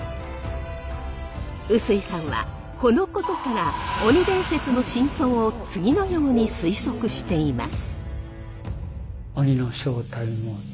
臼井さんはこのことから鬼伝説の真相を次のように推測しています。